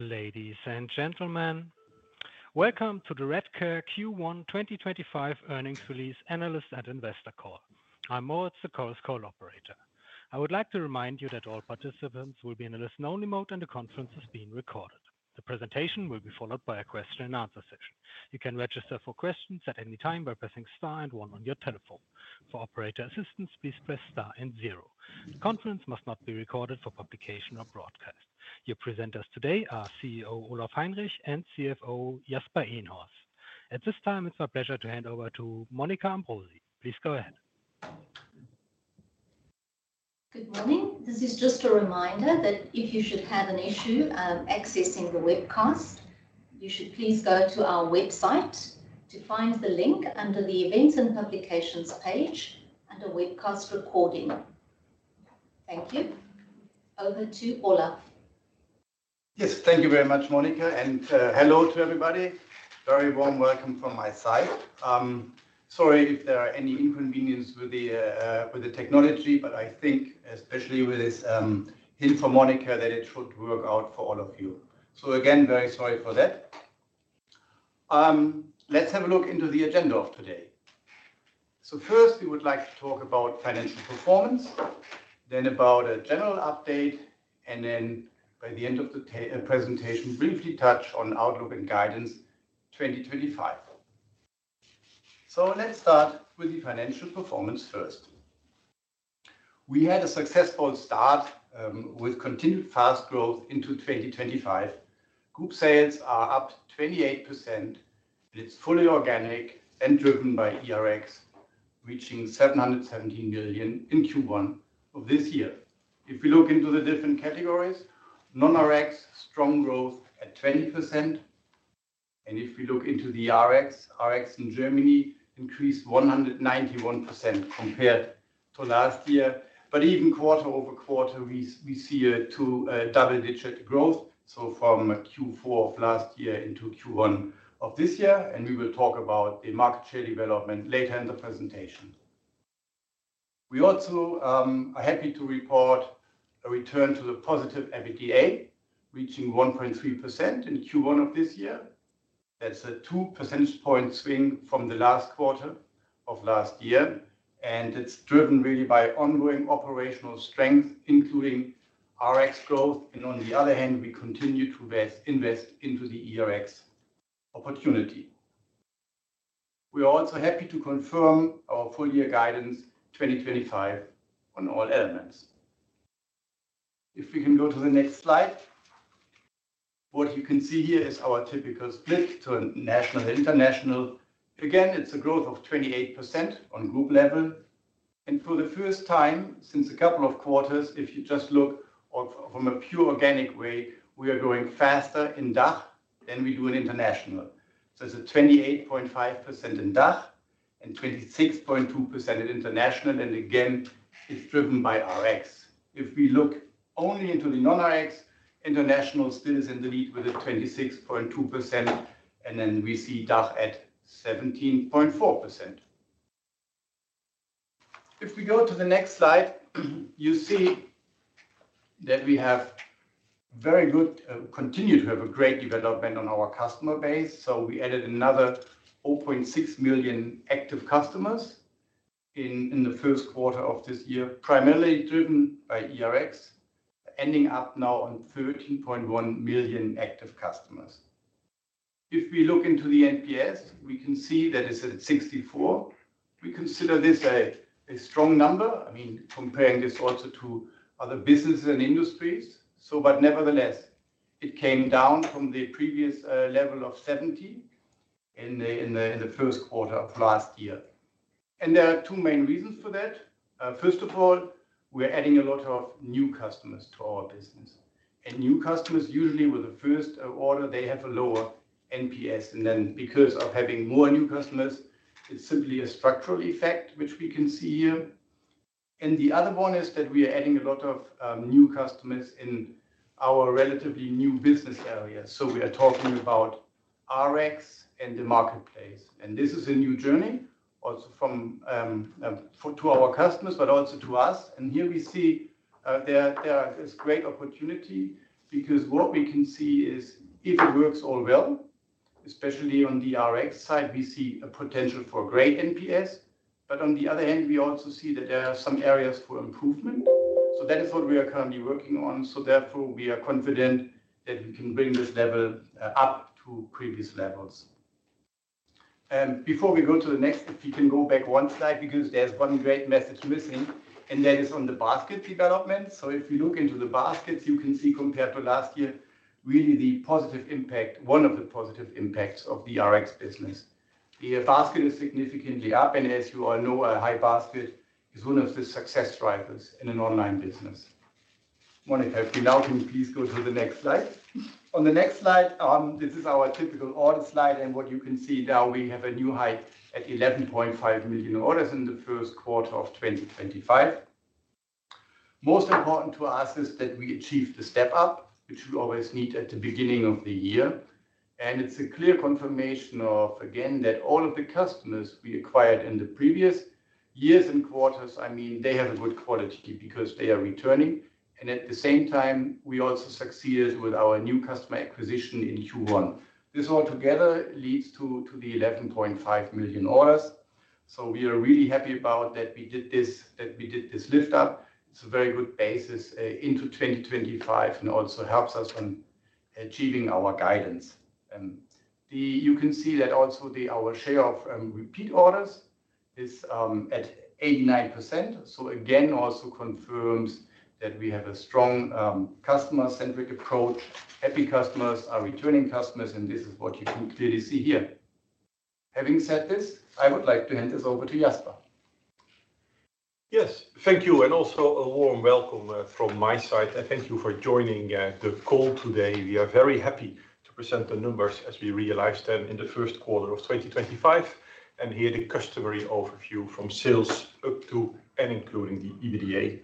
Ladies and gentlemen, welcome to the Redcare Q1 2025 Earnings Release Analyst and Investor Call. I'm Moritz, the call's co-operator. I would like to remind you that all participants will be in a listen-only mode, and the conference is being recorded. The presentation will be followed by a question-and-answer session. You can register for questions at any time by pressing star and one on your telephone. For operator assistance, please press star and zero. The conference must not be recorded for publication or broadcast. Your presenters today are CEO Olaf Heinrich and CFO Jasper Eenhorst. At this time, it's my pleasure to hand over to Monica Ambrosi. Please go ahead. Good morning. This is just a reminder that if you should have an issue accessing the webcast, you should please go to our website to find the link under the events and publications page under webcast recording. Thank you. Over to Olaf. Yes, thank you very much, Monica, and hello to everybody. Very warm welcome from my side. Sorry if there are any inconveniences with the technology, but I think, especially with this hint from Monica, that it should work out for all of you. Again, very sorry for that. Let's have a look into the agenda of today. First, we would like to talk about financial performance, then about a general update, and then by the end of the presentation, briefly touch on Outlook and Guidance 2025. Let's start with the financial performance first. We had a successful start with continued fast growth into 2025. Group sales are up 28%. It's fully organic and driven by ERX, reaching 717 million in Q1 of this year. If we look into the different categories, non-RX, strong growth at 20%. If we look into the RX, RX in Germany increased 191% compared to last year. Even quarter over quarter, we see double-digit growth, from Q4 of last year into Q1 of this year. We will talk about the market share development later in the presentation. We are happy to report a return to positive EBITDA, reaching 1.3% in Q1 of this year. That is a two percentage points swing from the last quarter of last year. It is driven really by ongoing operational strength, including RX growth. On the other hand, we continue to invest into the ERX opportunity. We are also happy to confirm our full-year guidance 2025 on all elements. If we can go to the next slide. What you can see here is our typical split to national and international. Again, it is a growth of 28% on group level. For the first time since a couple of quarters, if you just look from a pure organic way, we are going faster in DACH than we do in international. It is 28.5% in DACH and 26.2% in international. Again, it is driven by RX. If we look only into the non-RX, international still is in the lead with 26.2%. Then we see DACH at 17.4%. If we go to the next slide, you see that we have very good, continue to have a great development on our customer base. We added another 0.6 million active customers in the first quarter of this year, primarily driven by ERX, ending up now on 13.1 million active customers. If we look into the NPS, we can see that it is at 64. We consider this a strong number. I mean, comparing this also to other businesses and industries. Nevertheless, it came down from the previous level of 70 in the first quarter of last year. There are two main reasons for that. First of all, we are adding a lot of new customers to our business. New customers, usually with the first order, have a lower NPS. Because of having more new customers, it is simply a structural effect, which we can see here. The other one is that we are adding a lot of new customers in our relatively new business areas. We are talking about RX and the marketplace. This is a new journey also to our customers, but also to us. Here we see there is great opportunity because what we can see is if it works all well, especially on the RX side, we see a potential for great NPS. On the other hand, we also see that there are some areas for improvement. That is what we are currently working on. Therefore, we are confident that we can bring this level up to previous levels. Before we go to the next, if we can go back one slide because there is one great message missing, and that is on the basket development. If we look into the baskets, you can see compared to last year, really the positive impact, one of the positive impacts of the RX business. The basket is significantly up. As you all know, a high basket is one of the success drivers in an online business. Monica, if you now can please go to the next slide. On the next slide, this is our typical order slide. What you can see now, we have a new high at 11.5 million orders in the first quarter of 2025. Most important to us is that we achieve the step up, which we always need at the beginning of the year. It is a clear confirmation of, again, that all of the customers we acquired in the previous years and quarters, I mean, they have a good quality because they are returning. At the same time, we also succeeded with our new customer acquisition in Q1. This all together leads to the 11.5 million orders. We are really happy about that we did this lift up. It is a very good basis into 2025 and also helps us in achieving our guidance. You can see that also our share of repeat orders is at 89%. Again, also confirms that we have a strong customer-centric approach. Happy customers are returning customers, and this is what you can clearly see here. Having said this, I would like to hand this over to Jasper. Yes, thank you. And also a warm welcome from my side. Thank you for joining the call today. We are very happy to present the numbers as we realized them in the first quarter of 2025. Here is the customary overview from sales up to and including the EBITDA.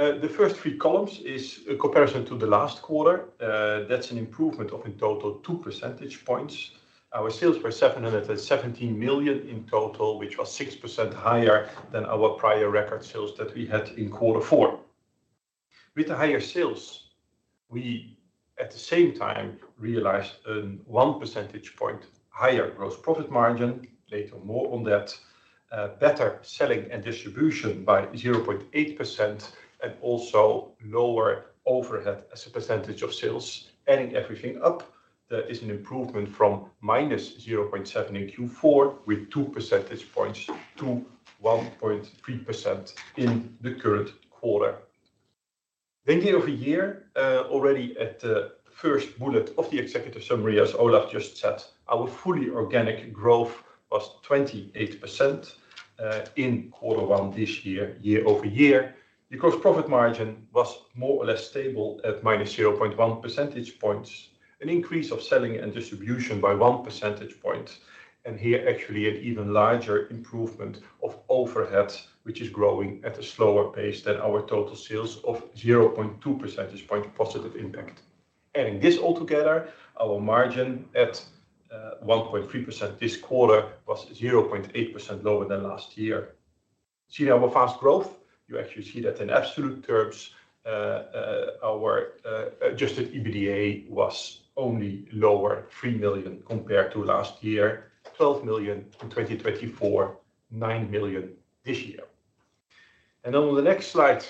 The first three columns are a comparison to the last quarter. That is an improvement of in total two percentage points. Our sales were 717 million in total, which was 6% higher than our prior record sales that we had in quarter four. With the higher sales, we at the same time realized a one percentage point higher gross profit margin, later more on that, better selling and distribution by 0.8%, and also lower overhead as a percentage of sales. Adding everything up, there is an improvement from minus 0.7% in Q4 with two percentage points to 1.3% in the current quarter. Year over year, already at the first bullet of the executive summary, as Olaf just said, our fully organic growth was 28% in quarter one this year, year over year. The gross profit margin was more or less stable at minus 0.1 percentage points, an increase of selling and distribution by one percentage point. Here actually an even larger improvement of overhead, which is growing at a slower pace than our total sales of 0.2 percentage point positive impact. Adding this all together, our margin at 1.3% this quarter was 0.8% lower than last year. See our fast growth? You actually see that in absolute terms, our adjusted EBITDA was only lower, 3 million compared to last year, 12 million in 2024, 9 million this year. On the next slide,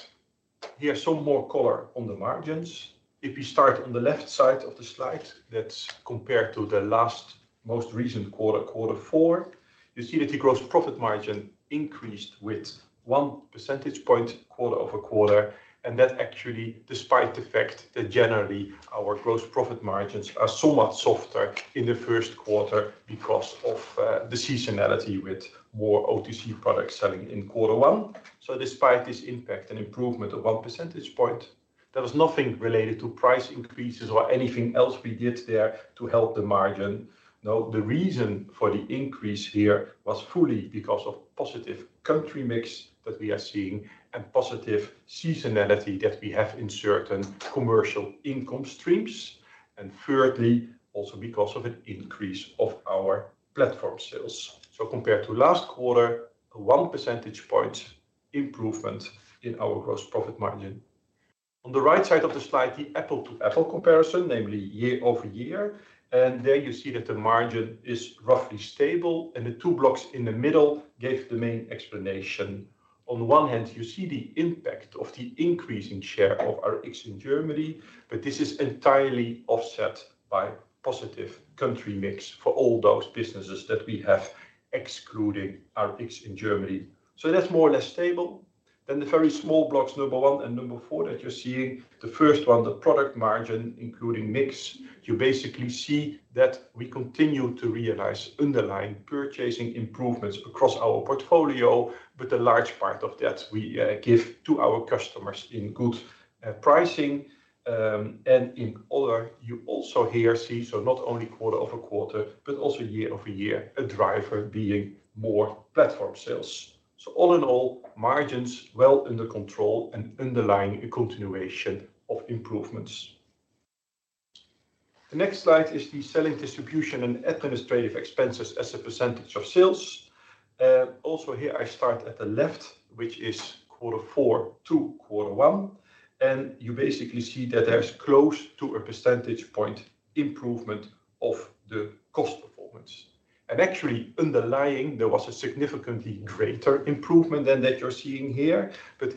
here's some more color on the margins. If you start on the left side of the slide, that's compared to the last most recent quarter, quarter four, you see that the gross profit margin increased with one percentage point quarter over quarter. That actually, despite the fact that generally our gross profit margins are somewhat softer in the first quarter because of the seasonality with more OTC products selling in quarter one. Despite this impact and improvement of one percentage point, there was nothing related to price increases or anything else we did there to help the margin. The reason for the increase here was fully because of positive country mix that we are seeing and positive seasonality that we have in certain commercial income streams. Thirdly, also because of an increase of our platform sales. Compared to last quarter, one percentage point improvement in our gross profit margin. On the right side of the slide, the Apple to Apple comparison, namely year over year. There you see that the margin is roughly stable. The two blocks in the middle gave the main explanation. On the one hand, you see the impact of the increasing share of RX in Germany, but this is entirely offset by positive country mix for all those businesses that we have excluding RX in Germany. That is more or less stable. The very small blocks, number one and number four that you are seeing, the first one, the product margin including mix, you basically see that we continue to realize underlying purchasing improvements across our portfolio, but a large part of that we give to our customers in good pricing. In order, you also here see, not only quarter over quarter, but also year over year, a driver being more platform sales. All in all, margins well under control and underlying a continuation of improvements. The next slide is the selling distribution and administrative expenses as a percentage of sales. Also here, I start at the left, which is quarter four to quarter one. You basically see that there's close to a percentage point improvement of the cost performance. Actually, underlying, there was a significantly greater improvement than that you're seeing here.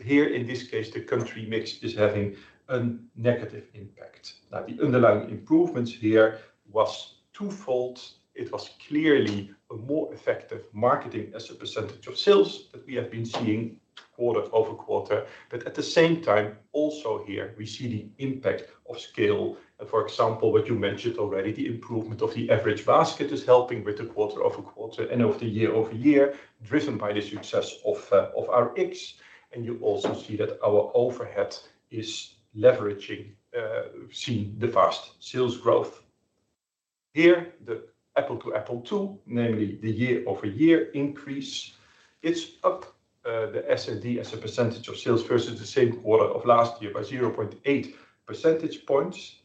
Here, in this case, the country mix is having a negative impact. Now, the underlying improvements here was twofold. It was clearly a more effective marketing as a percentage of sales that we have been seeing quarter over quarter. At the same time, also here, we see the impact of scale. For example, what you mentioned already, the improvement of the average basket is helping with the quarter over quarter and of the year over year, driven by the success of RX. You also see that our overhead is leveraging, seeing the fast sales growth. Here, the apple to apple two, namely the year over year increase, it's up the S&D as a percentage of sales versus the same quarter of last year by 0.8 percentage points.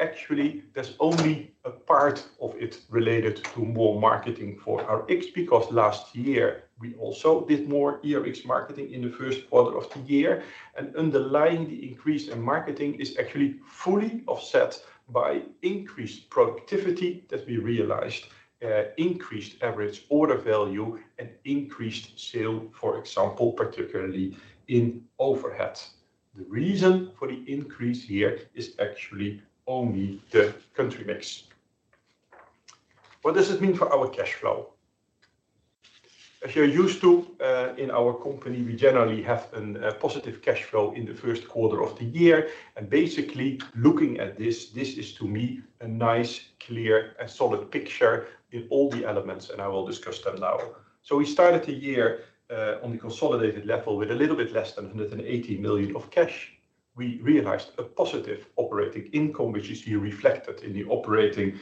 Actually, there's only a part of it related to more marketing for RX because last year, we also did more ERX marketing in the first quarter of the year. Underlying, the increase in marketing is actually fully offset by increased productivity that we realized, increased average order value, and increased sale, for example, particularly in overhead. The reason for the increase here is actually only the country mix. What does it mean for our cash flow? As you're used to in our company, we generally have a positive cash flow in the first quarter of the year. Basically, looking at this, this is to me a nice, clear, and solid picture in all the elements. I will discuss them now. We started the year on the consolidated level with a little bit less than 180 million of cash. We realized a positive operating income, which is here reflected in the operating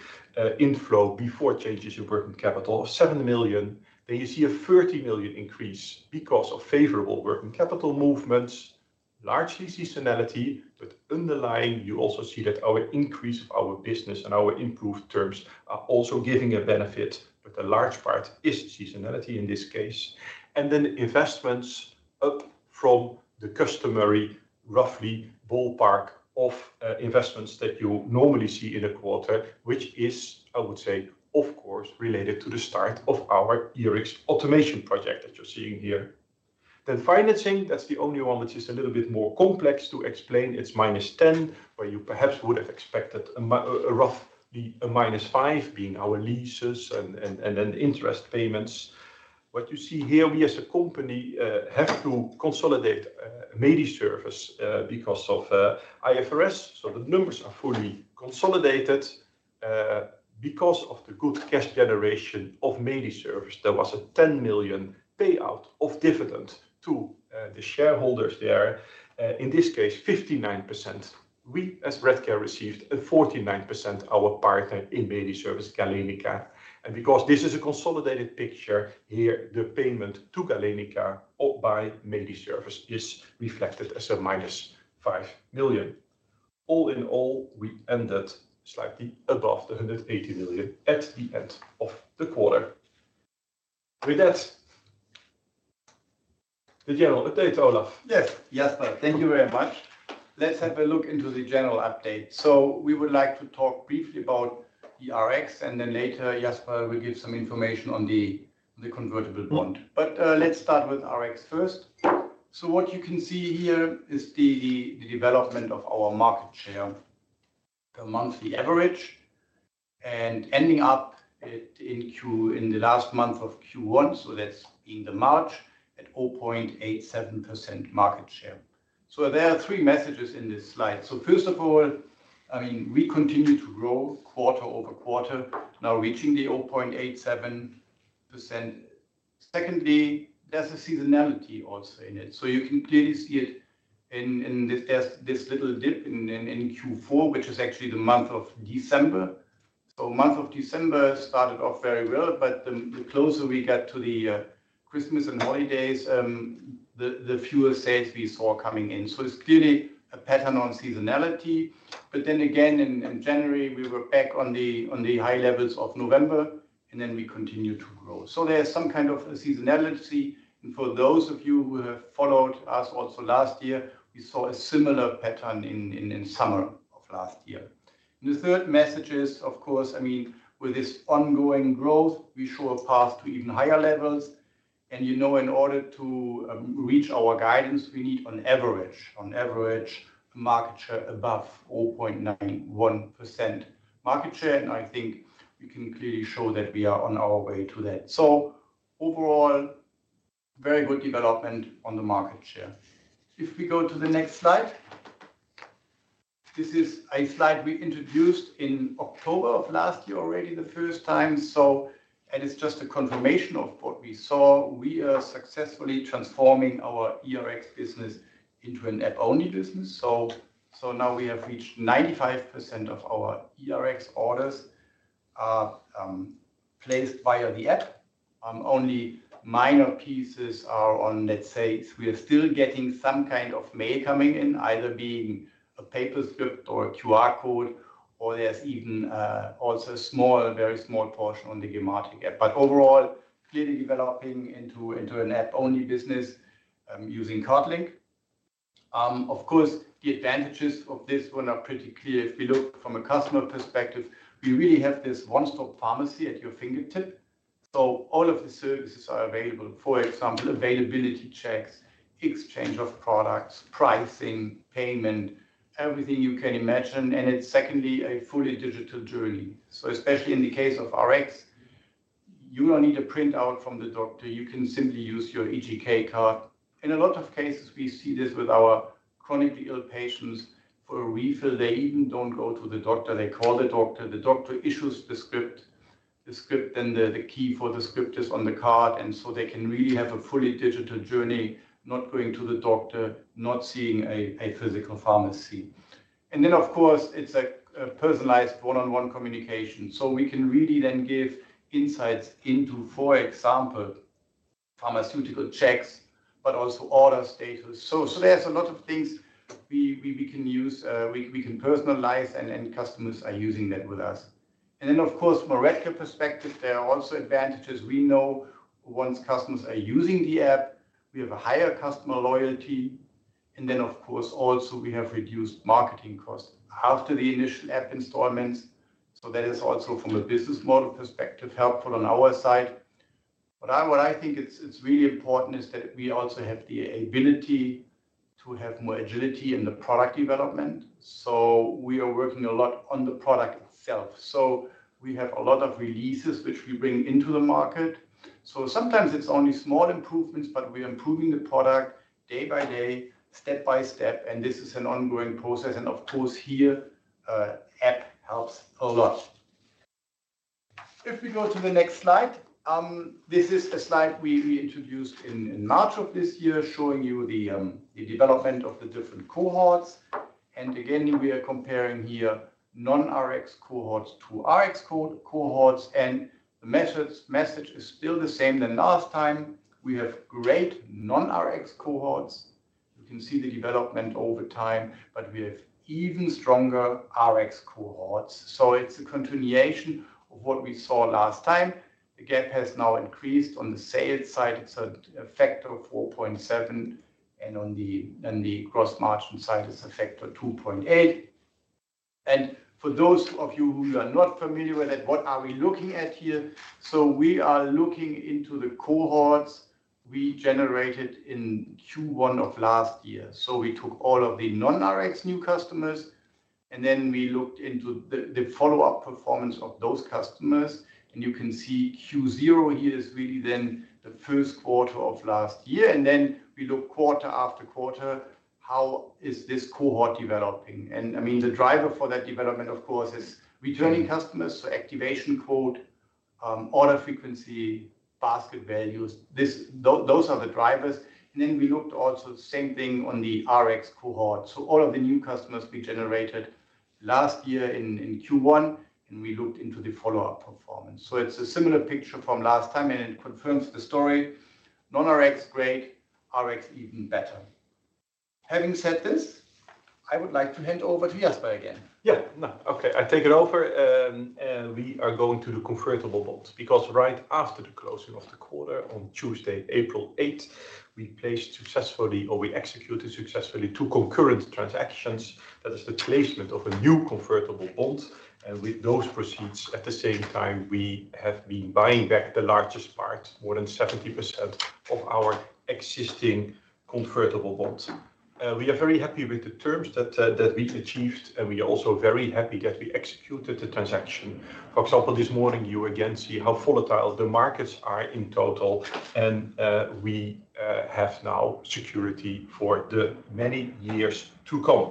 inflow before changes in working capital of 7 million. You see a 30 million increase because of favorable working capital movements, largely seasonality, but underlying, you also see that our increase of our business and our improved terms are also giving a benefit, but a large part is seasonality in this case. Investments are up from the customary roughly ballpark of investments that you normally see in a quarter, which is, I would say, of course, related to the start of our ERX automation project that you're seeing here. Financing is the only one which is a little bit more complex to explain. It's minus 10, where you perhaps would have expected roughly a minus 5 being our leases and then interest payments. What you see here, we as a company have to consolidate MAIDI service because of IFRS. So the numbers are fully consolidated because of the good cash generation of MAIDI service. There was a 10 million payout of dividend to the shareholders there, in this case, 59%. We as Redcare received 49%, our partner in MAIDI service, Galenica. Because this is a consolidated picture here, the payment to Galenica by MAIDI service is reflected as a minus 5 million. All in all, we ended slightly above the 180 million at the end of the quarter. With that, the general update, Olaf. Yes, Jasper, thank you very much. Let's have a look into the general update. We would like to talk briefly about the RX, and then later, Jasper will give some information on the convertible bond. Let's start with RX first. What you can see here is the development of our market share per monthly average, ending up in the last month of Q1, so that's in March, at 0.87% market share. There are three messages in this slide. First of all, I mean, we continue to grow quarter over quarter, now reaching the 0.87%. Secondly, there's a seasonality also in it. You can clearly see it in this little dip in Q4, which is actually the month of December. Month of December started off very well, but the closer we got to the Christmas and holidays, the fewer sales we saw coming in. It is clearly a pattern on seasonality. Then again, in January, we were back on the high levels of November, and we continue to grow. There is some kind of seasonality. For those of you who have followed us also last year, we saw a similar pattern in summer of last year. The third message is, of course, I mean, with this ongoing growth, we show a path to even higher levels. You know, in order to reach our guidance, we need on average, on average, a market share above 0.91% market share. I think we can clearly show that we are on our way to that. Overall, very good development on the market share. If we go to the next slide, this is a slide we introduced in October of last year already the first time. It is just a confirmation of what we saw. We are successfully transforming our ERX business into an app-only business. Now we have reached 95% of our ERX orders placed via the app. Only minor pieces are on, let's say, we are still getting some kind of mail coming in, either being a paper script or a QR code, or there is even also a small, very small portion on the Gematrix app. Overall, clearly developing into an app-only business using CardLink. Of course, the advantages of this one are pretty clear. If we look from a customer perspective, we really have this one-stop pharmacy at your fingertip. All of the services are available, for example, availability checks, exchange of products, pricing, payment, everything you can imagine. It is secondly a fully digital journey. Especially in the case of RX, you do not need a printout from the doctor. You can simply use your EGK card. In a lot of cases, we see this with our chronically ill patients for a refill. They even do not go to the doctor. They call the doctor. The doctor issues the script. The script, then the key for the script is on the card. They can really have a fully digital journey, not going to the doctor, not seeing a physical pharmacy. Of course, it is a personalized one-on-one communication. We can really then give insights into, for example, pharmaceutical checks, but also order status. There are a lot of things we can use. We can personalize, and customers are using that with us. Of course, from a Redcare perspective, there are also advantages. We know once customers are using the app, we have a higher customer loyalty. Of course, also we have reduced marketing costs after the initial app installments. That is also from a business model perspective helpful on our side. What I think is really important is that we also have the ability to have more agility in the product development. We are working a lot on the product itself. We have a lot of releases which we bring into the market. Sometimes it is only small improvements, but we are improving the product day by day, step by step. This is an ongoing process. Of course, here, app helps a lot. If we go to the next slide, this is a slide we introduced in March of this year showing you the development of the different cohorts. We are comparing here non-RX cohorts to RX cohorts. The message is still the same as last time. We have great non-RX cohorts. You can see the development over time, but we have even stronger RX cohorts. It is a continuation of what we saw last time. The gap has now increased on the sales side. It is a factor of 4.7. On the gross margin side, it is a factor of 2.8. For those of you who are not familiar with it, what are we looking at here? We are looking into the cohorts we generated in Q1 of last year. We took all of the non-RX new customers, and then we looked into the follow-up performance of those customers. You can see Q0 here is really then the first quarter of last year. We look quarter after quarter, how is this cohort developing? I mean, the driver for that development, of course, is returning customers. Activation code, order frequency, basket values, those are the drivers. We looked also at the same thing on the RX cohort. All of the new customers we generated last year in Q1, and we looked into the follow-up performance. It is a similar picture from last time, and it confirms the story. Non-RX great, RX even better. Having said this, I would like to hand over to Jasper again. Yeah, no, okay, I take it over. We are going to the convertible bonds because right after the closing of the quarter on Tuesday, April 8, we placed successfully, or we executed successfully two concurrent transactions. That is the placement of a new convertible bond. With those proceeds, at the same time, we have been buying back the largest part, more than 70% of our existing convertible bonds. We are very happy with the terms that we achieved, and we are also very happy that we executed the transaction. For example, this morning, you again see how volatile the markets are in total, and we have now security for the many years to come.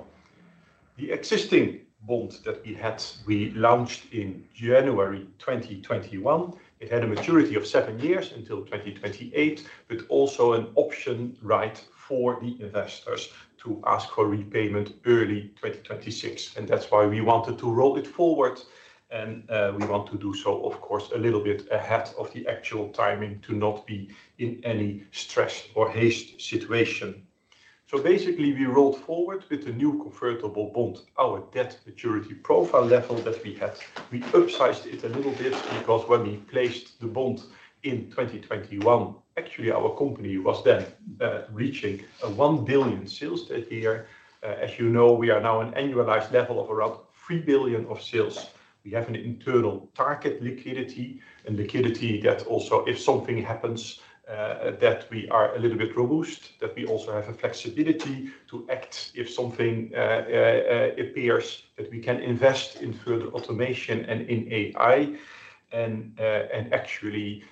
The existing bond that we had, we launched in January 2021. It had a maturity of seven years until 2028, but also an option right for the investors to ask for repayment early 2026. That is why we wanted to roll it forward. We want to do so, of course, a little bit ahead of the actual timing to not be in any stress or haste situation. Basically, we rolled forward with the new convertible bond, our debt maturity profile level that we had. We upsized it a little bit because when we placed the bond in 2021, actually our company was then reaching 1 billion sales that year. As you know, we are now at an annualized level of around 3 billion of sales. We have an internal target liquidity, a liquidity that also, if something happens, that we are a little bit robust, that we also have a flexibility to act if something appears that we can invest in further automation and in AI. Actually,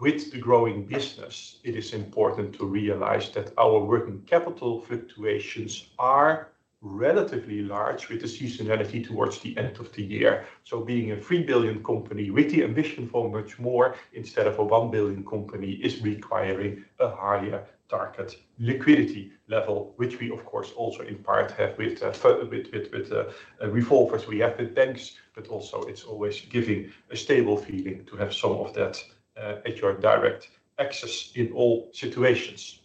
with the growing business, it is important to realize that our working capital fluctuations are relatively large with the seasonality towards the end of the year. Being a 3 billion company with the ambition for much more instead of a 1 billion company is requiring a higher target liquidity level, which we, of course, also in part have with revolvers. We have the banks, but also it is always giving a stable feeling to have some of that at your direct access in all situations.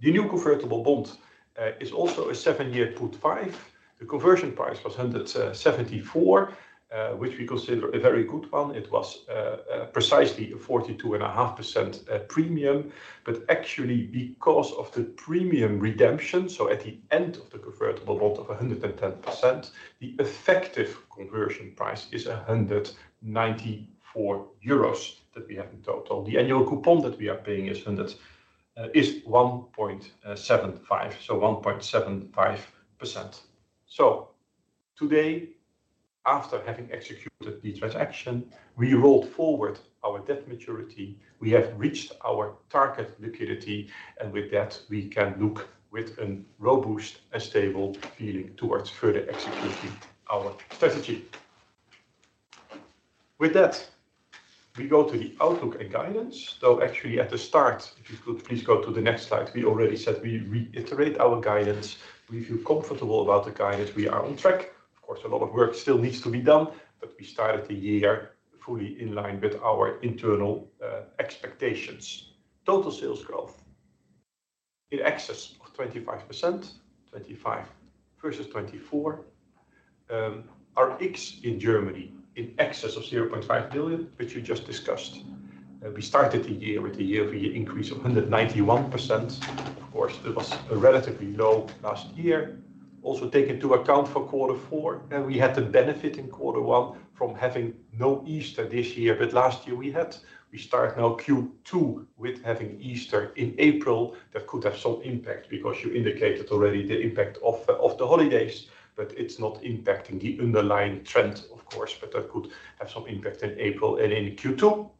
The new convertible bond is also a seven-year put five. The conversion price was 174, which we consider a very good one. It was precisely a 42.5% premium, but actually because of the premium redemption, so at the end of the convertible bond of 110%, the effective conversion price is 194 euros that we have in total. The annual coupon that we are paying is 1.75, so 1.75%. Today, after having executed the transaction, we rolled forward our debt maturity. We have reached our target liquidity, and with that, we can look with a robust and stable feeling towards further executing our strategy. With that, we go to the outlook and guidance. Actually at the start, if you could please go to the next slide, we already said we reiterate our guidance. We feel comfortable about the guidance. We are on track. Of course, a lot of work still needs to be done, but we started the year fully in line with our internal expectations. Total sales growth in excess of 25%, 25 versus 24. RX in Germany in excess of 500,000, which you just discussed. We started the year with a year-over-year increase of 191%. Of course, it was relatively low last year. Also taken into account for quarter four, and we had the benefit in quarter one from having no Easter this year, but last year we had. We start now Q2 with having Easter in April. That could have some impact because you indicated already the impact of the holidays, but it's not impacting the underlying trend, of course, but that could have some impact in April and in Q2.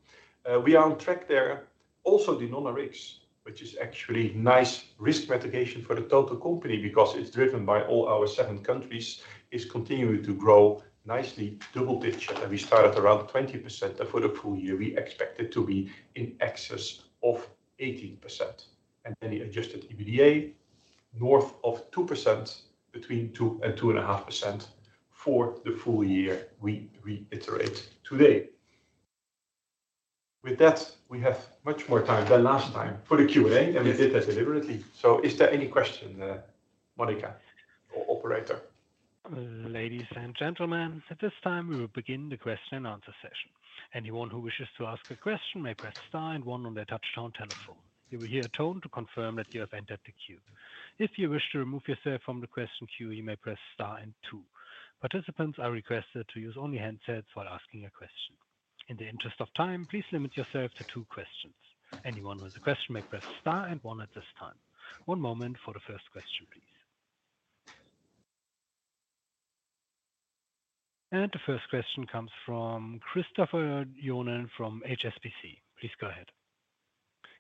We are on track there. Also the non-RX, which is actually nice risk mitigation for the total company because it's driven by all our seven countries, is continuing to grow nicely. Double digit, we started around 20% for the full year. We expect it to be in excess of 18%. And then the adjusted EBITDA north of 2% between 2-2.5% for the full year. We reiterate today. With that, we have much more time than last time for the Q&A, and we did that deliberately. Is there any question, Monica or Operator? Ladies and gentlemen, at this time, we will begin the question and answer session. Anyone who wishes to ask a question may press star and one on their touch-tone telephone. You will hear a tone to confirm that you have entered the queue. If you wish to remove yourself from the question queue, you may press star and two. Participants are requested to use only handsets while asking a question. In the interest of time, please limit yourself to two questions. Anyone with a question may press star and one at this time. One moment for the first question, please. The first question comes from Christopher Johnen from HSBC. Please go ahead.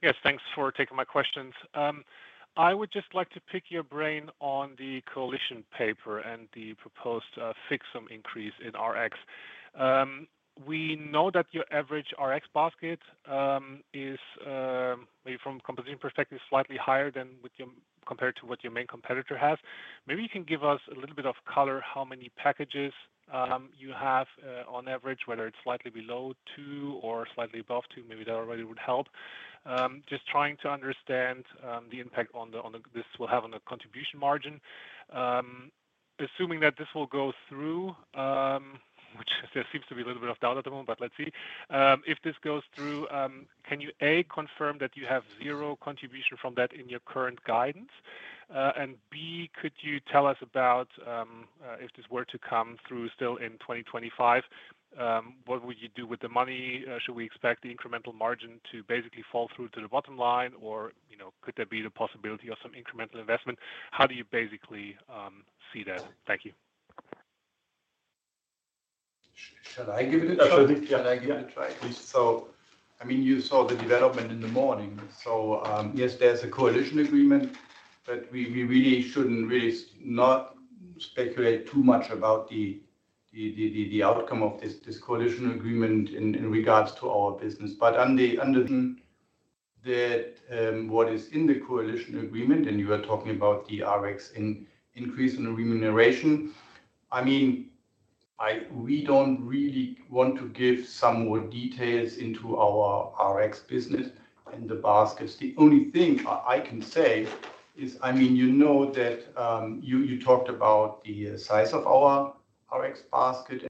Yes, thanks for taking my questions. I would just like to pick your brain on the coalition paper and the proposed fixed sum increase in RX. We know that your average RX basket is, maybe from a competition perspective, slightly higher than compared to what your main competitor has. Maybe you can give us a little bit of color how many packages you have on average, whether it's slightly below two or slightly above two. Maybe that already would help. Just trying to understand the impact on this will have on the contribution margin. Assuming that this will go through, which there seems to be a little bit of doubt at the moment, but let's see. If this goes through, can you A, confirm that you have zero contribution from that in your current guidance? Could you tell us about if this were to come through still in 2025, what would you do with the money? Should we expect the incremental margin to basically fall through to the bottom line, or could there be the possibility of some incremental investment? How do you basically see that? Thank you. Shall I give it a try? Shall I give it a try? Please. I mean, you saw the development in the morning. Yes, there's a coalition agreement, but we really should not speculate too much about the outcome of this coalition agreement in regards to our business. Under what is in the coalition agreement, and you are talking about the RX increase in remuneration, I mean, we do not really want to give some more details into our RX business and the baskets. The only thing I can say is, I mean, you know that you talked about the size of our RX basket.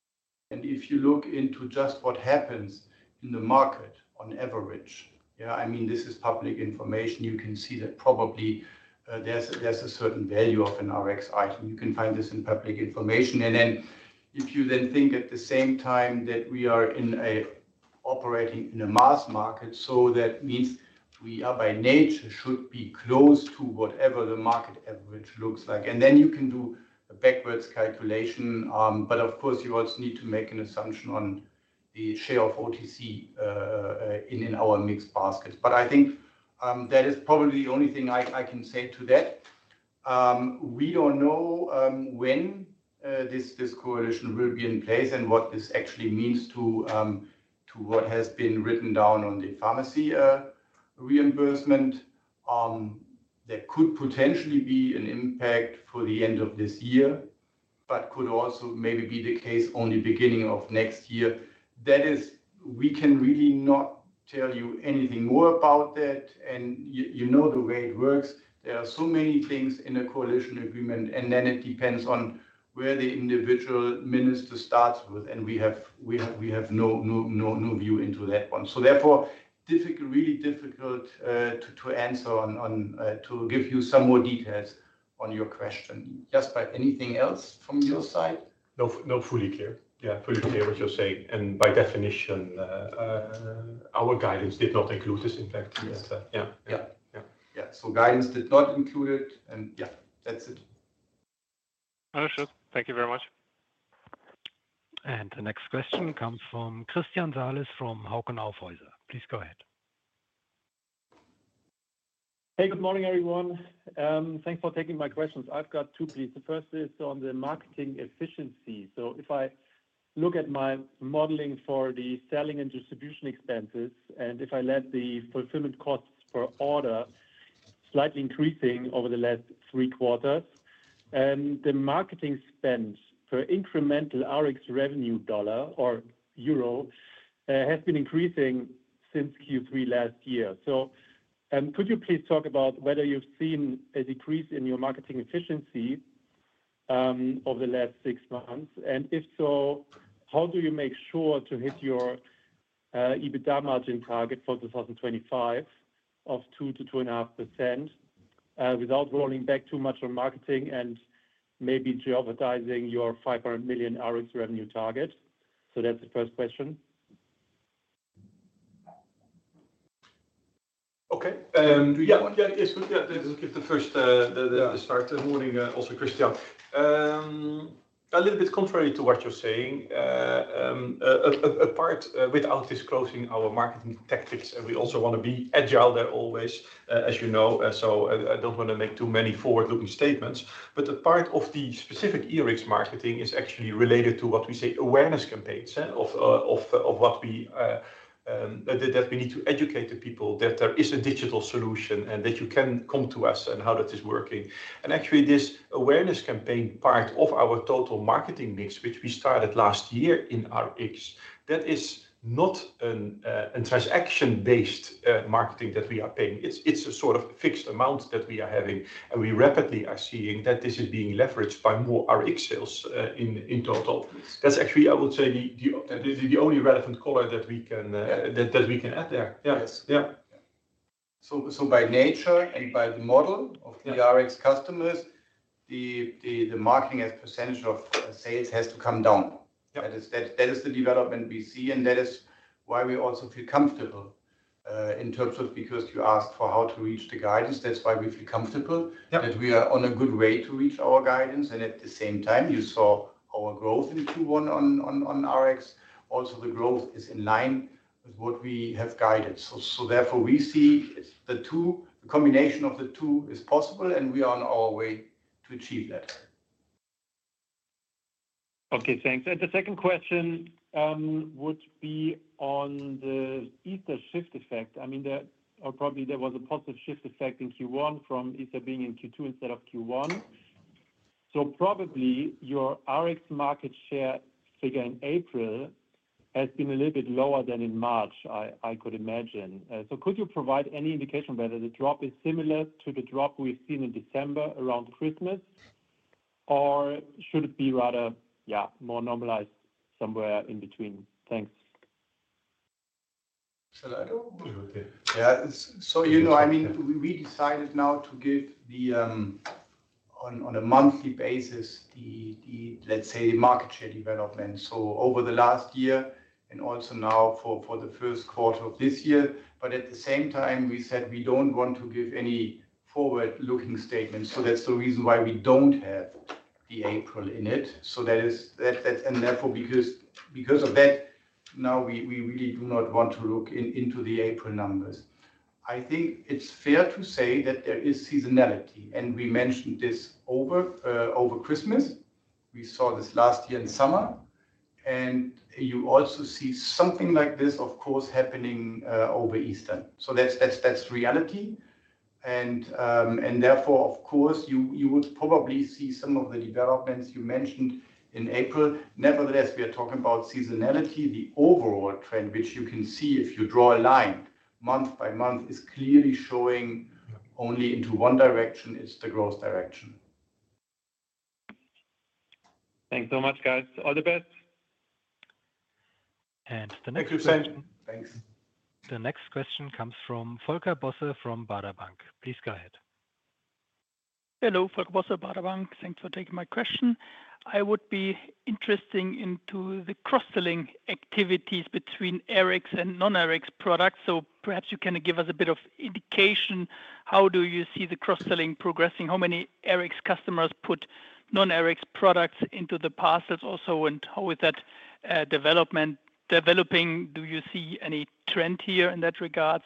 If you look into just what happens in the market on average, this is public information. You can see that probably there is a certain value of an RX item. You can find this in public information. If you then think at the same time that we are operating in a mass market, that means we by nature should be close to whatever the market average looks like. You can do a backwards calculation, but of course, you also need to make an assumption on the share of OTC in our mixed baskets. I think that is probably the only thing I can say to that. We do not know when this coalition will be in place and what this actually means to what has been written down on the pharmacy reimbursement. There could potentially be an impact for the end of this year, but it could also maybe be the case only at the beginning of next year. We can really not tell you anything more about that. You know the way it works. There are so many things in a coalition agreement, and then it depends on where the individual minister starts with, and we have no view into that one. Therefore, difficult, really difficult to answer on to give you some more details on your question. Just about anything else from your side? No, fully clear. Yeah, fully clear what you're saying. By definition, our guidance did not include this impact yet. Yeah, yeah. Yeah, guidance did not include it. Yeah, that's it. Understood. Thank you very much. The next question comes from Christian Salis from Hauck Aufhäuser. Please go ahead. Hey, good morning, everyone. Thanks for taking my questions. I've got two, please. The first is on the marketing efficiency. If I look at my modeling for the selling and distribution expenses, and if I let the fulfillment costs per order slightly increasing over the last three quarters, and the marketing spend for incremental RX revenue dollar or euro has been increasing since Q3 last year. Could you please talk about whether you've seen a decrease in your marketing efficiency over the last six months? If so, how do you make sure to hit your EBITDA margin target for 2025 of 2-2.5% without rolling back too much on marketing and maybe jeopardizing your 500 million EUR RX revenue target? That's the first question. Okay. Yeah, yeah, yeah. Let's give the first start this morning also, Christian. A little bit contrary to what you're saying, a part without disclosing our marketing tactics, and we also want to be agile there always, as you know. I don't want to make too many forward-looking statements. A part of the specific ERX marketing is actually related to what we say awareness campaigns of what we that we need to educate the people that there is a digital solution and that you can come to us and how that is working. Actually, this awareness campaign part of our total marketing mix, which we started last year in RX, that is not a transaction-based marketing that we are paying. It's a sort of fixed amount that we are having, and we rapidly are seeing that this is being leveraged by more RX sales in total. That's actually, I would say, the only relevant color that we can add there. Yeah. By nature and by the model of the RX customers, the marketing as percentage of sales has to come down. That is the development we see, and that is why we also feel comfortable in terms of because you asked for how to reach the guidance. That is why we feel comfortable that we are on a good way to reach our guidance. At the same time, you saw our growth in Q1 on RX. Also, the growth is in line with what we have guided. Therefore, we see the two, the combination of the two is possible, and we are on our way to achieve that. Okay, thanks. The second question would be on the ETHA shift effect. I mean, there probably was a positive shift effect in Q1 from ETHA being in Q2 instead of Q1. Probably your RX market share figure in April has been a little bit lower than in March, I could imagine. Could you provide any indication whether the drop is similar to the drop we've seen in December around Christmas, or should it be rather, yeah, more normalized somewhere in between? Thanks. Shall I go? Yeah. So you know, I mean, we decided now to give the, on a monthly basis, the, let's say, market share development. Over the last year and also now for the first quarter of this year. At the same time, we said we do not want to give any forward-looking statements. That is the reason why we do not have the April in it. That is, and therefore because of that, now we really do not want to look into the April numbers. I think it is fair to say that there is seasonality, and we mentioned this over Christmas. We saw this last year in summer. You also see something like this, of course, happening over Easter. That is reality. Therefore, of course, you would probably see some of the developments you mentioned in April. Nevertheless, we are talking about seasonality, the overall trend, which you can see if you draw a line month by month, is clearly showing only into one direction. It's the growth direction. Thanks so much, guys. All the best. The next question. Thanks. The next question comes from Volker Bosse from Baader Bank. Please go ahead. Hello, Volker Bosse Baader Bank. Thanks for taking my question. I would be interested in the cross-selling activities between RX and non-RX products. Perhaps you can give us a bit of indication. How do you see the cross-selling progressing? How many RX customers put non-RX products into the parcels also? How is that development developing? Do you see any trend here in that regard?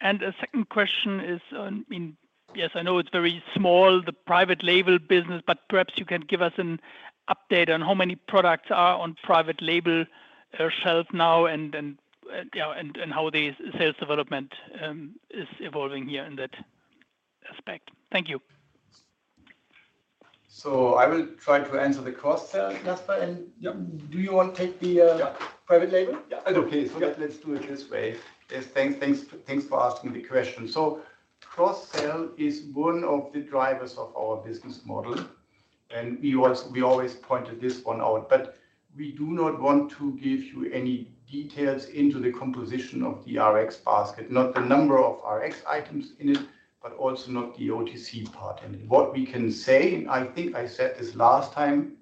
The second question is, I mean, yes, I know it's very small, the private label business, but perhaps you can give us an update on how many products are on private label shelves now and how the sales development is evolving here in that aspect. Thank you. I will try to answer the cross-sell. Jasper, do you want to take the private label? Yeah. Okay. Let's do it this way. Thanks for asking the question. Cross-sell is one of the drivers of our business model. We always pointed this one out, but we do not want to give you any details into the composition of the RX basket, not the number of RX items in it, but also not the OTC part. What we can say, and I think I said this last time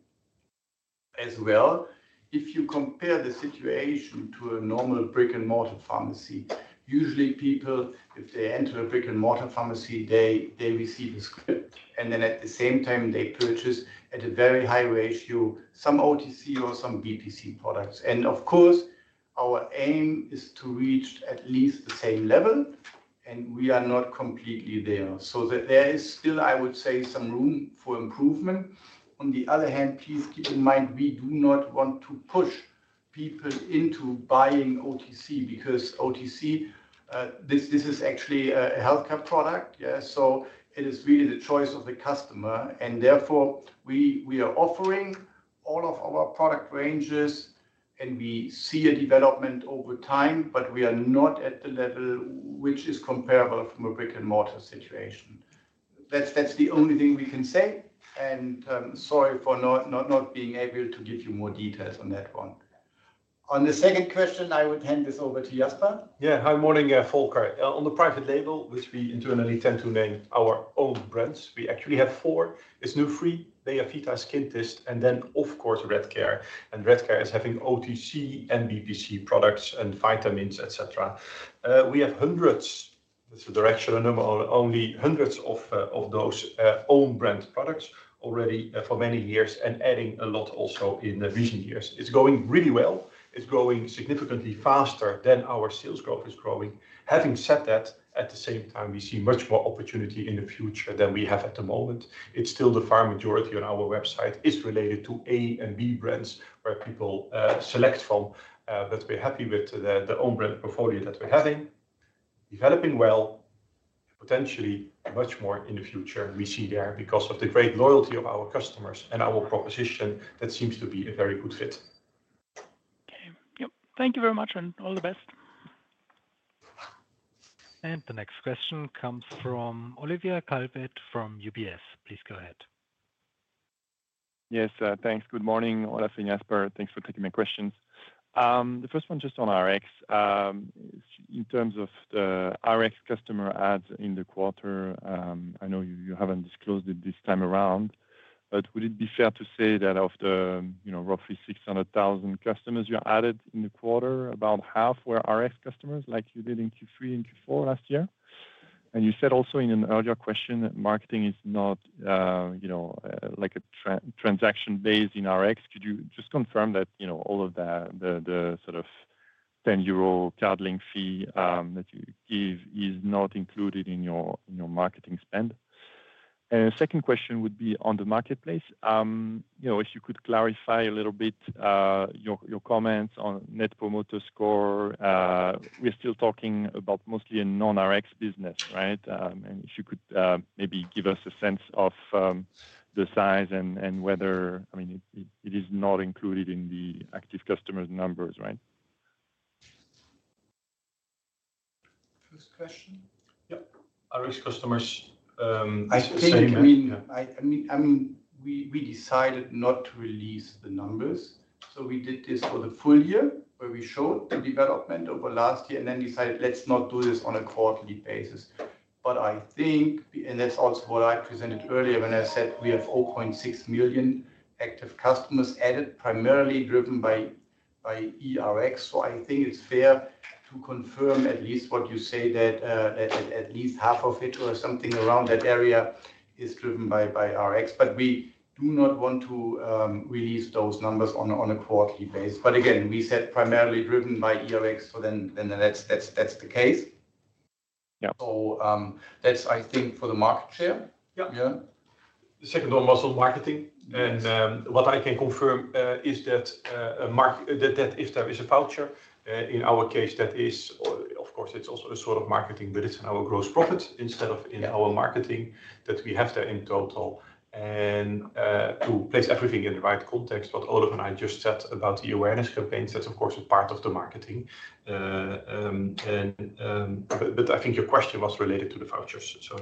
as well, if you compare the situation to a normal brick-and-mortar pharmacy, usually people, if they enter a brick-and-mortar pharmacy, they receive a script. At the same time, they purchase at a very high ratio some OTC or some BTC products. Of course, our aim is to reach at least the same level, and we are not completely there. There is still, I would say, some room for improvement. On the other hand, please keep in mind, we do not want to push people into buying OTC because OTC, this is actually a healthcare product. Yeah. It is really the choice of the customer. Therefore, we are offering all of our product ranges, and we see a development over time, but we are not at the level which is comparable from a brick-and-mortar situation. That is the only thing we can say. Sorry for not being able to give you more details on that one. On the second question, I would hand this over to Jasper. Yeah, hi morning, Volker. On the private label, which we internally tend to name our own brands, we actually have four. It's Nufri, Beyafita, Skintest, and then, of course, Redcare. Redcare is having OTC and BTC products and vitamins, etc. We have hundreds, this is the directional number, only hundreds of those own brand products already for many years and adding a lot also in recent years. It's going really well. It's growing significantly faster than our sales growth is growing. Having said that, at the same time, we see much more opportunity in the future than we have at the moment. It's still the far majority on our website is related to A and B brands where people select from, but we're happy with the own brand portfolio that we're having. Developing well, potentially much more in the future, we see there because of the great loyalty of our customers and our proposition that seems to be a very good fit. Okay. Yep. Thank you very much and all the best. The next question comes from Olivia Calvet from UBS. Please go ahead. Yes, thanks. Good morning, Olaf and Jasper. Thanks for taking my questions. The first one just on RX. In terms of the RX customer ads in the quarter, I know you have not disclosed it this time around, but would it be fair to say that of the roughly 600,000 customers you added in the quarter, about half were RX customers like you did in Q3 and Q4 last year? You said also in an earlier question that marketing is not like a transaction base in RX. Could you just confirm that all of the sort of 10 euro card link fee that you give is not included in your marketing spend? The second question would be on the marketplace. If you could clarify a little bit your comments on Net Promoter Score, we are still talking about mostly a non-RX business, right? If you could maybe give us a sense of the size and whether, I mean, it is not included in the active customers' numbers, right? First question. Yeah. RX customers. I think, I mean, we decided not to release the numbers. We did this for the full year where we showed the development over last year and then decided, let's not do this on a quarterly basis. I think, and that's also what I presented earlier when I said we have 0.6 million active customers added, primarily driven by ERX. I think it's fair to confirm at least what you say, that at least half of it or something around that area is driven by RX. We do not want to release those numbers on a quarterly basis. Again, we said primarily driven by ERX, so then that's the case. I think that's for the market share. Yeah. The second one was on marketing. What I can confirm is that if there is a voucher, in our case, that is, of course, it's also a sort of marketing, but it's in our gross profit instead of in our marketing that we have there in total. To place everything in the right context, what Olaf and I just said about the awareness campaign, that's of course a part of the marketing. I think your question was related to the vouchers, so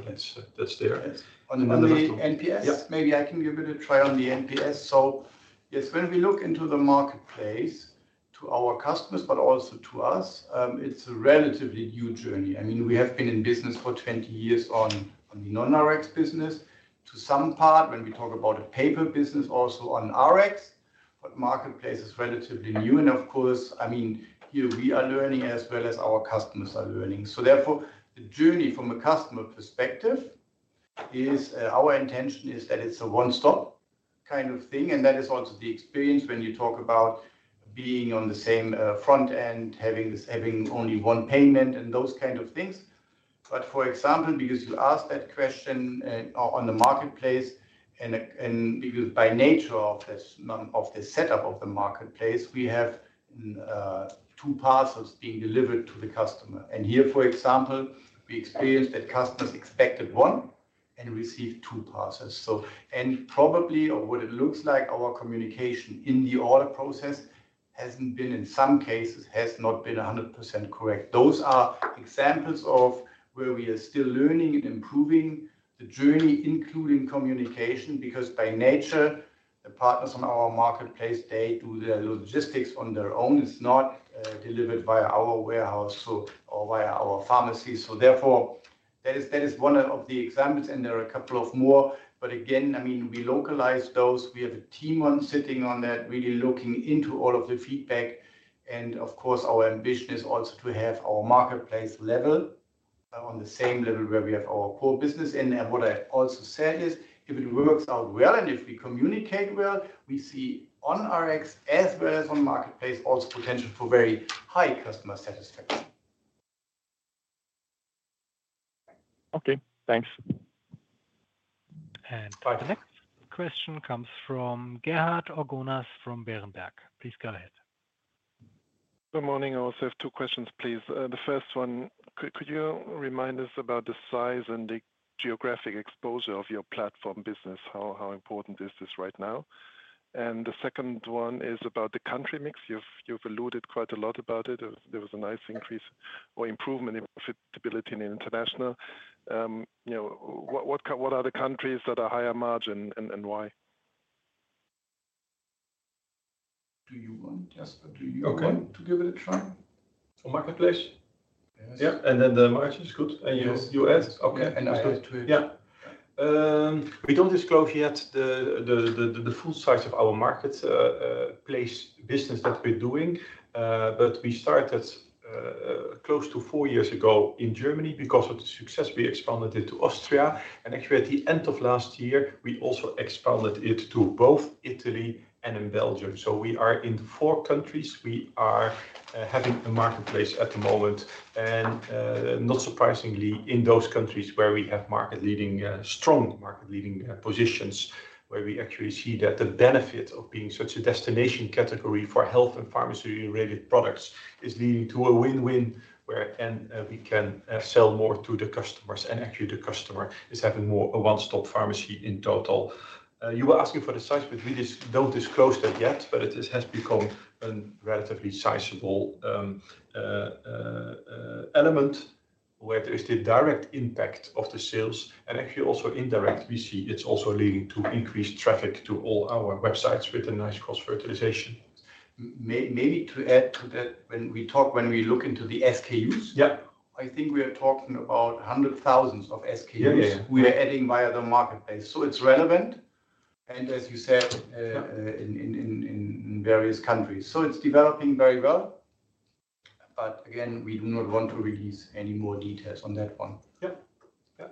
that's there. On the NPS, maybe I can give it a try on the NPS. Yes, when we look into the marketplace to our customers, but also to us, it's a relatively new journey. I mean, we have been in business for 20 years on the non-RX business. To some part, when we talk about a paper business also on RX, but marketplace is relatively new. Of course, I mean, here we are learning as well as our customers are learning. Therefore, the journey from a customer perspective is our intention is that it's a one-stop kind of thing. That is also the experience when you talk about being on the same front end, having only one payment and those kinds of things. For example, because you asked that question on the marketplace, and because by nature of the setup of the marketplace, we have two parcels being delivered to the customer. Here, for example, we experienced that customers expected one and received two parcels. Probably, or what it looks like, our communication in the order process has not been 100% correct in some cases. Those are examples of where we are still learning and improving the journey, including communication, because by nature, the partners on our marketplace do their logistics on their own. It is not delivered via our warehouse or via our pharmacy. Therefore, that is one of the examples, and there are a couple more. Again, I mean, we localize those. We have a team sitting on that, really looking into all of the feedback. Of course, our ambition is also to have our marketplace level on the same level where we have our core business. What I also said is, if it works out well and if we communicate well, we see on RX as well as on marketplace also potential for very high customer satisfaction. Okay. Thanks. The next question comes from Gerhard Orgonas from Berenberg. Please go ahead. Good morning. I also have two questions, please. The first one, could you remind us about the size and the geographic exposure of your platform business? How important is this right now? The second one is about the country mix. You've alluded quite a lot about it. There was a nice increase or improvement in profitability in international. What are the countries that are higher margin and why? Do you want, Jasper, do you want to give it a try? On marketplace? Yes. Yeah. The margin is good. You asked. I'll get to it. Yeah. We do not disclose yet the full size of our marketplace business that we are doing, but we started close to four years ago in Germany. Because of the success, we expanded into Austria. Actually, at the end of last year, we also expanded it to both Italy and Belgium. We are in four countries. We are having a marketplace at the moment. Not surprisingly, in those countries where we have strong market-leading positions, we actually see that the benefit of being such a destination category for health and pharmacy-related products is leading to a win-win where we can sell more to the customers and actually the customer is having more of a one-stop pharmacy in total. You were asking for the size, but we do not disclose that yet, but it has become a relatively sizable element where there is the direct impact of the sales. Actually, also indirect, we see it is also leading to increased traffic to all our websites with a nice cross-fertilization. Maybe to add to that, when we look into the SKUs, I think we are talking about hundreds of thousands of SKUs we are adding via the Marketplace. It is relevant. As you said, in various countries. It is developing very well. Again, we do not want to release any more details on that one. Yeah. Yeah.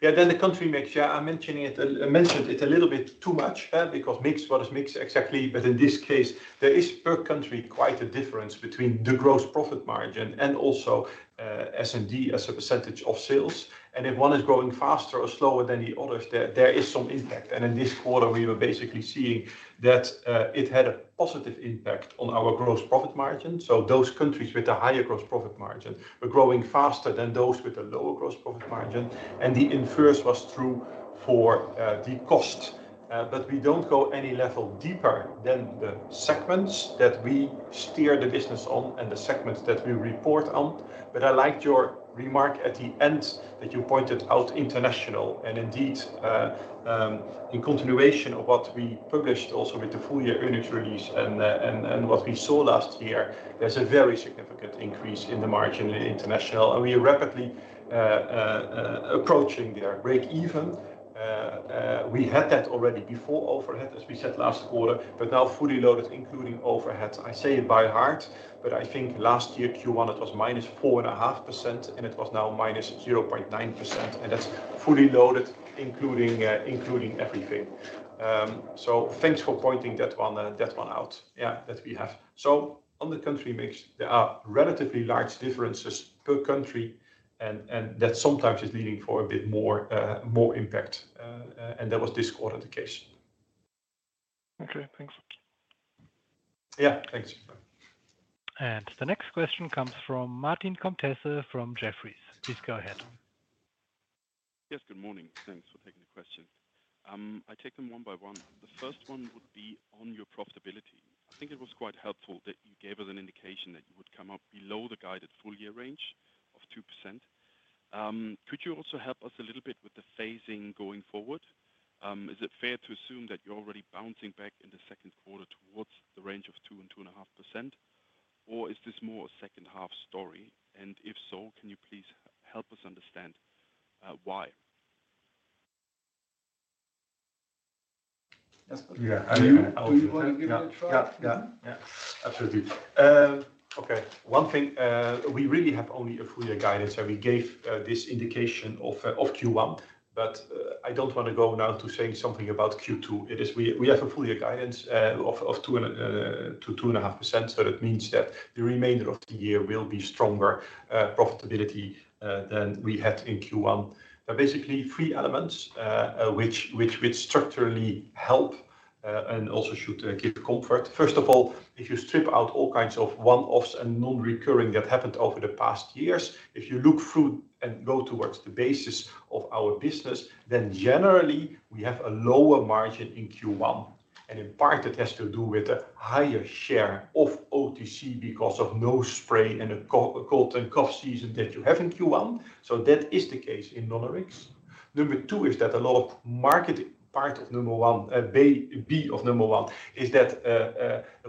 Yeah. The country mix. Yeah. I mentioned it a little bit too much because mixed, what is mixed exactly, but in this case, there is per country quite a difference between the gross profit margin and also S&D as a percentage of sales. If one is growing faster or slower than the others, there is some impact. In this quarter, we were basically seeing that it had a positive impact on our gross profit margin. Those countries with a higher gross profit margin were growing faster than those with a lower gross profit margin. The inverse was true for the cost. We do not go any level deeper than the segments that we steer the business on and the segments that we report on. I liked your remark at the end that you pointed out international. Indeed, in continuation of what we published also with the full year earnings release and what we saw last year, there is a very significant increase in the margin in international. We are rapidly approaching their break-even. We had that already before overhead, as we said last quarter, but now fully loaded, including overhead. I say it by heart, but I think last year, Q1, it was -4.5%, and it was now -0.9%. That is fully loaded, including everything. Thanks for pointing that one out, yeah, that we have. On the country mix, there are relatively large differences per country, and that sometimes is leading for a bit more impact. That was this quarter the case. Okay. Thanks. Yeah. Thanks. The next question comes from Martin Comtesse from Jefferies. Please go ahead. Yes. Good morning. Thanks for taking the question. I'll take them one by one. The first one would be on your profitability. I think it was quite helpful that you gave us an indication that you would come up below the guided full year range of 2%. Could you also help us a little bit with the phasing going forward? Is it fair to assume that you're already bouncing back in the second quarter towards the range of 2-2.5%, or is this more a second-half story? If so, can you please help us understand why? Yeah. Yeah. Absolutely. Okay. One thing, we really have only a full year guidance, and we gave this indication of Q1, but I don't want to go now to saying something about Q2. We have a full year guidance of 2%-2.5%, so that means that the remainder of the year will be stronger profitability than we had in Q1. Basically, three elements which structurally help and also should give comfort. First of all, if you strip out all kinds of one-offs and non-recurring that happened over the past years, if you look through and go towards the basis of our business, then generally, we have a lower margin in Q1. And in part, it has to do with a higher share of OTC because of nose spray and a cold and cough season that you have in Q1. So that is the case in Nonarix. Number two is that a lot of marketing part of number one, B of number one, is that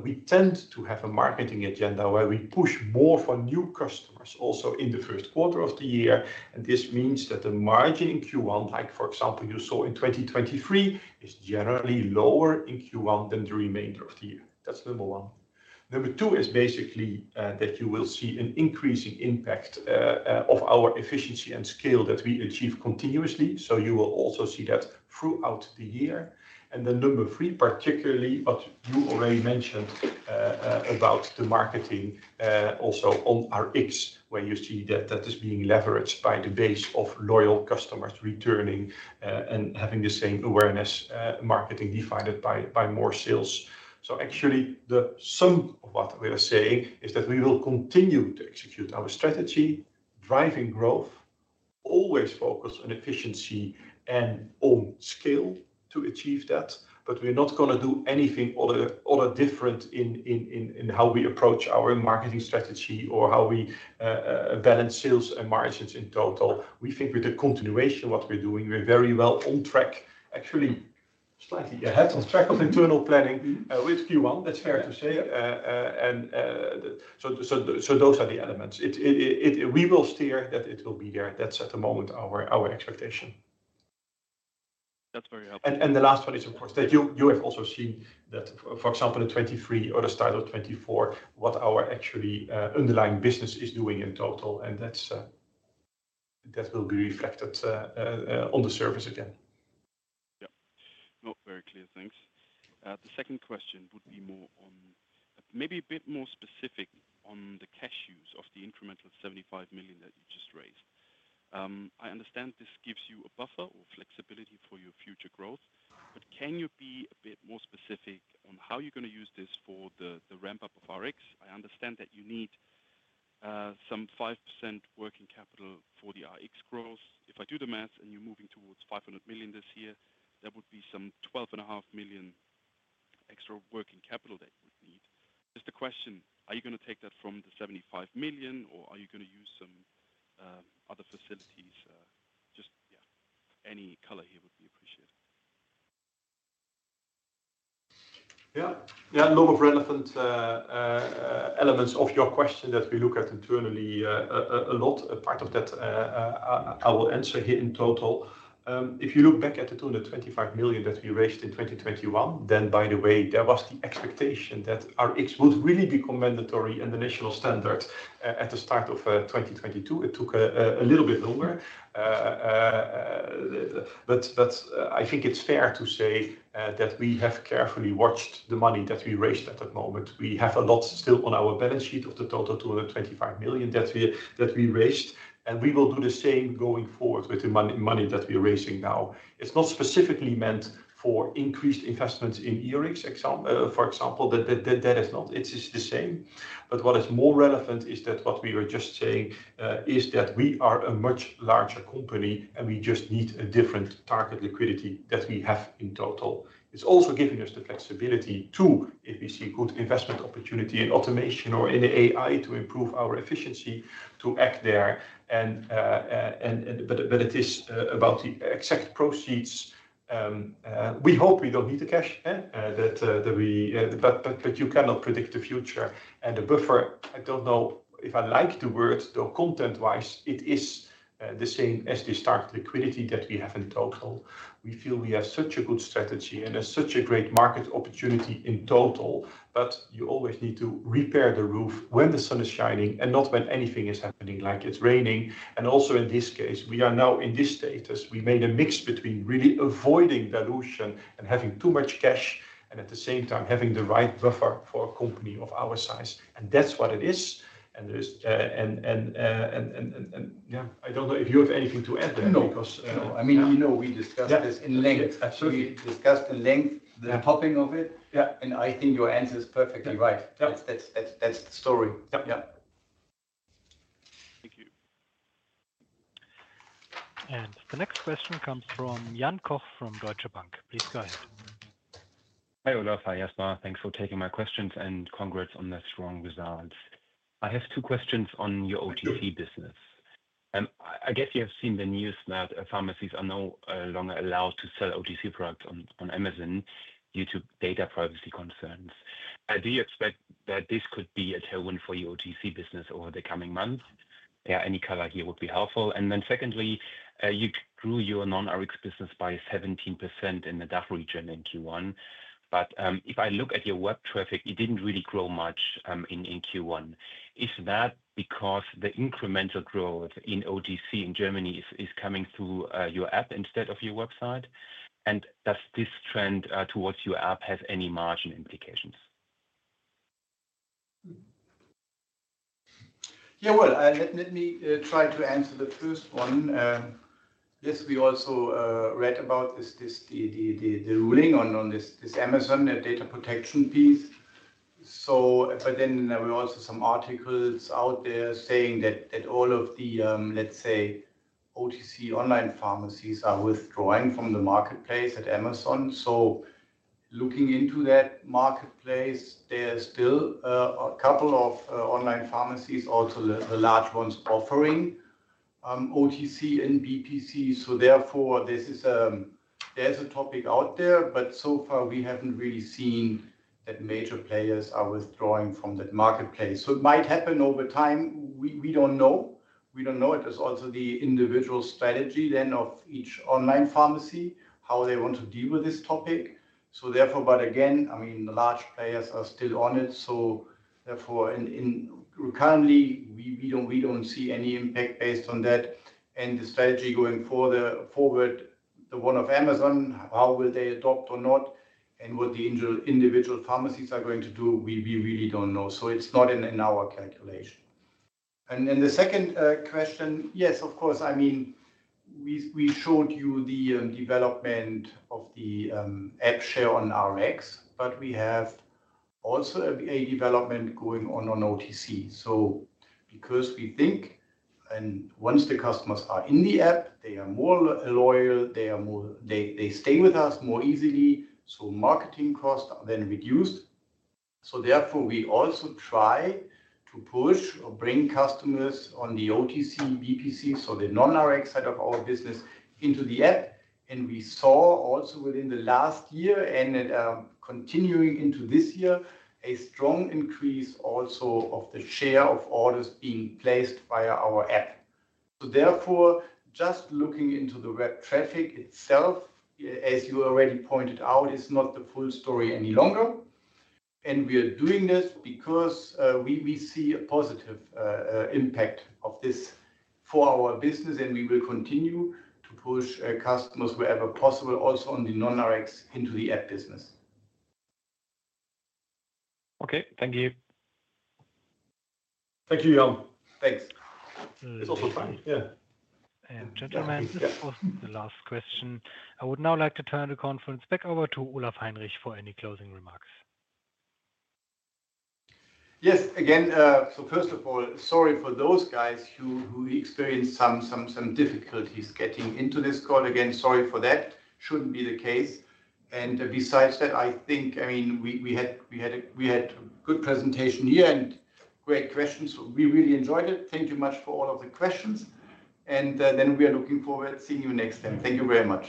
we tend to have a marketing agenda where we push more for new customers also in the first quarter of the year. This means that the margin in Q1, like for example, you saw in 2023, is generally lower in Q1 than the remainder of the year. That is number one. Number two is basically that you will see an increasing impact of our efficiency and scale that we achieve continuously. You will also see that throughout the year. Number three, particularly what you already mentioned about the marketing also on RX, where you see that that is being leveraged by the base of loyal customers returning and having the same awareness marketing divided by more sales. Actually, the sum of what we are saying is that we will continue to execute our strategy, driving growth, always focus on efficiency and on scale to achieve that. We are not going to do anything other different in how we approach our marketing strategy or how we balance sales and margins in total. We think with the continuation of what we are doing, we are very well on track. Actually, slightly ahead on track with internal planning with Q1, that is fair to say. Those are the elements. We will steer that it will be there. That is at the moment our expectation. That's very helpful. The last one is, of course, that you have also seen that, for example, in 2023 or the start of 2024, what our actually underlying business is doing in total. That will be reflected on the service again. Yeah. Not very clear. Thanks. The second question would be maybe a bit more specific on the cash use of the incremental 75 million that you just raised. I understand this gives you a buffer or flexibility for your future growth, but can you be a bit more specific on how you're going to use this for the ramp-up of RX? I understand that you need some 5% working capital for the RX growth. If I do the math and you're moving towards 500 million this year, that would be some 12.5 million extra working capital that you would need. Just a question, are you going to take that from the 75 million, or are you going to use some other facilities? Just, yeah, any color here would be appreciated. Yeah. Yeah. A lot of relevant elements of your question that we look at internally a lot. Part of that I will answer here in total. If you look back at the 225 million that we raised in 2021, then by the way, there was the expectation that RX would really become mandatory and the national standard at the start of 2022. It took a little bit longer. I think it's fair to say that we have carefully watched the money that we raised at that moment. We have a lot still on our balance sheet of the total 225 million that we raised. We will do the same going forward with the money that we are raising now. It's not specifically meant for increased investments in e-RX, for example. That is not. It's the same. What is more relevant is that what we were just saying is that we are a much larger company, and we just need a different target liquidity that we have in total. It is also giving us the flexibility too, if we see good investment opportunity in automation or in AI to improve our efficiency to act there. It is about the exact proceeds. We hope we do not need the cash that we, but you cannot predict the future. The buffer, I do not know if I like the word, though content-wise, it is the same as the start liquidity that we have in total. We feel we have such a good strategy and such a great market opportunity in total, but you always need to repair the roof when the sun is shining and not when anything is happening like it is raining. Also in this case, we are now in this status. We made a mix between really avoiding dilution and having too much cash and at the same time having the right buffer for a company of our size. That is what it is. Yeah, I do not know if you have anything to add there because. No. I mean, we discussed this in length. We discussed in length the topping of it. I think your answer is perfectly right. That is the story. Yeah. Thank you. The next question comes from Jan Koch from Deutsche Bank. Please go ahead. Hi Olaf. Hi Jasper. Thanks for taking my questions and congrats on the strong results. I have two questions on your OTC business. I guess you have seen the news that pharmacies are no longer allowed to sell OTC products on Amazon due to data privacy concerns. Do you expect that this could be a tailwind for your OTC business over the coming months? Yeah, any color here would be helpful. Then secondly, you grew your non-RX business by 17% in the DACH region in Q1. If I look at your web traffic, it did not really grow much in Q1. Is that because the incremental growth in OTC in Germany is coming through your app instead of your website? Does this trend towards your app have any margin implications? Yeah. Let me try to answer the first one. Yes, we also read about the ruling on this Amazon data protection piece. There were also some articles out there saying that all of the, let's say, OTC online pharmacies are withdrawing from the marketplace at Amazon. Looking into that marketplace, there are still a couple of online pharmacies, also the large ones, offering OTC and BPC. Therefore, there is a topic out there, but so far, we have not really seen that major players are withdrawing from that marketplace. It might happen over time. We do not know. We do not know. It is also the individual strategy of each online pharmacy, how they want to deal with this topic. Again, I mean, the large players are still on it. Therefore, currently, we do not see any impact based on that. The strategy going forward, the one of Amazon, how will they adopt or not, and what the individual pharmacies are going to do, we really do not know. It is not in our calculation. The second question, yes, of course. I mean, we showed you the development of the app share on RX, but we have also a development going on on OTC. We think, and once the customers are in the app, they are more loyal, they stay with us more easily, so marketing costs are then reduced. Therefore, we also try to push or bring customers on the OTC, BPC, so the non-RX side of our business into the app. We saw also within the last year and continuing into this year, a strong increase also of the share of orders being placed via our app. Therefore, just looking into the web traffic itself, as you already pointed out, is not the full story any longer. We are doing this because we see a positive impact of this for our business, and we will continue to push customers wherever possible, also on the non-RX into the app business. Okay. Thank you. Thank you, Jan. Thanks. It's also fine. Yeah. and gentlemen, this was the last question. I would now like to turn the conference back over to Olaf Heinrich for any closing remarks. Yes. Again, so first of all, sorry for those guys who experienced some difficulties getting into this call. Again, sorry for that. Should not be the case. Besides that, I think, I mean, we had a good presentation here and great questions. We really enjoyed it. Thank you much for all of the questions. We are looking forward to seeing you next time. Thank you very much.